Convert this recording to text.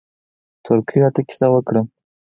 تورکي راته کيسه وکړه.